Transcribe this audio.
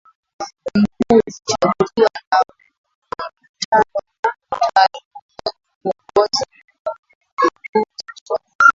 mkuu huchaguliwa na Mkutano wa Wataalamu wa Uongozi kwa